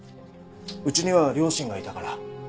うちには両親がいたから。